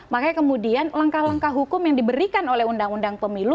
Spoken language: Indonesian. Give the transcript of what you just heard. makanya kemudian langkah langkah hukum yang diberikan oleh undang undang pemilu